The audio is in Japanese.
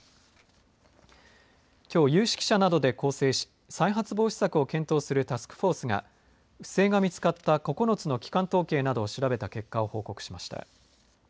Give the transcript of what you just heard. きょう、有識者などで構成し再発防止策を検討するタスクフォースが不正が見つかった９つの基幹統計などを調べた結果を報告しました。